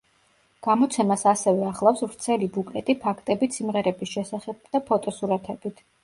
გამოცემას ასევე ახლავს ვრცელი ბუკლეტი ფაქტებით სიმღერების შესახებ და ფოტოსურათებით.